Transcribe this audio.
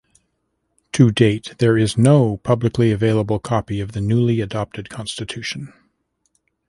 To date, there is no publicly available copy of the newly adopted constitution.